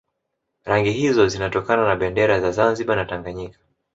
Rangi hizo zinatokana na bendera za Zanzibar na Tanganyika